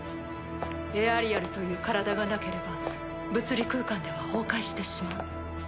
エアリアルという体がなければ物理空間では崩壊してしまう。